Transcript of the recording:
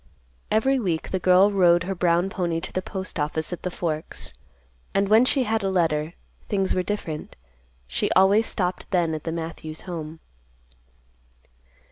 Every week the girl rode her brown pony to the Postoffice at the Forks; and when she had a letter, things were different. She always stopped then at the Matthews home.